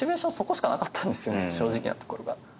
正直なところが。